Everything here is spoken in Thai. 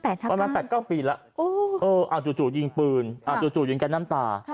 ประมาณ๘๙ปีแล้วจู่ยิงปืนจู่ยิงแก๊น้ำตา